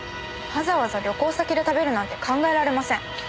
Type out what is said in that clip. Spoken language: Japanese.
わざわざ旅行先で食べるなんて考えられません。